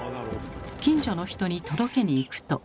近所の人に届けに行くと。